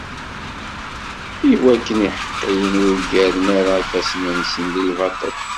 Iwakken iḥeqqiyen ur ggaren ara ifassen-nsen di lbaṭel.